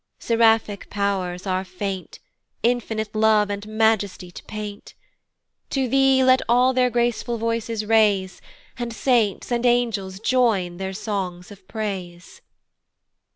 Seraphic pow'rs are faint "Infinite love and majesty to paint. "To thee let all their graceful voices raise, "And saints and angels join their songs of praise."